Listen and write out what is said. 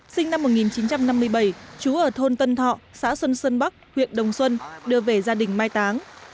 sinh năm một nghìn chín trăm năm mươi bảy chú ở thôn tân thọ xã xuân sơn bắc huyện đồng xuân đưa về gia đình mai táng